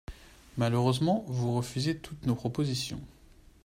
Malheureusement, vous refusez toutes nos propositions.